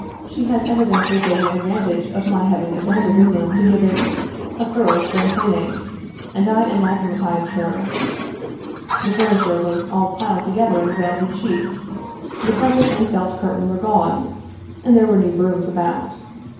She had evidently taken ad vantage of my having abandoned the room to give it " a thorough spring cleaning," and I anathematized her. The furniture was all piled together and veiled with sheets, the carpet and felt curtain were gone, there were new brooms about.